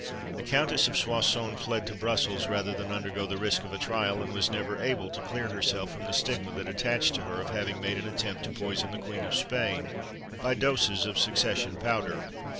The Countess of Soissons fled to Brussels, rather than undergo the risk of a trial; and was never able to clear herself from the stigma that attached to her, of having made an attempt to poison the Queen of Spain by doses of succession powder.